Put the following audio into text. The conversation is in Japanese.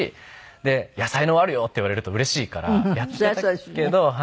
で「才能あるよ」って言われるとうれしいからやってたけど。